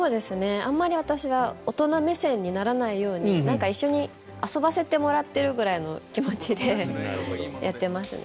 あんまり私は大人目線にならないように一緒に遊ばせてもらってるぐらいの気持ちでやってますね。